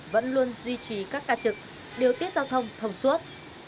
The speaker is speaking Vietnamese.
vẫn luôn duy trì các ca trực điều tiết giao thông thông suốt